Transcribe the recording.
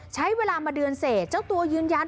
ใช้เวลามาเดือนเศษเจ้าตัวยืนยัน